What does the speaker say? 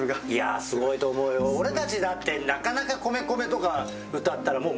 俺たちだってなかなか米米とか歌ったらもう。